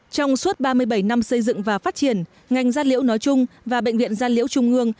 trong suốt ba mươi bảy năm xây dựng và phát triển ngành da liễu nói chung và bệnh viện gia liễu trung ương